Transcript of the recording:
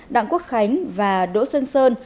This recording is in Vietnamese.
đảng quốc khánh và đỗ xuân sơn